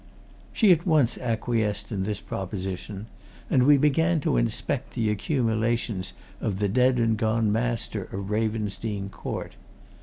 She at once acquiesced in this proposition, and we began to inspect the accumulations of the dead and gone master of Ravensdene Court.